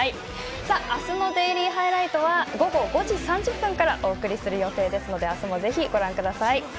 さあ、明日の「デイリーハイライト」は午後５時３０分からお送りする予定ですので明日もぜひご覧ください。